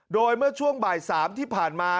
โดยเมื่อช่วงบ่าย๓ที่ผ่านมา